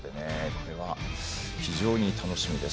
これは、非常に楽しみです。